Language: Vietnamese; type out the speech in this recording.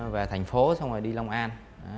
về thành phố xong rồi đi long an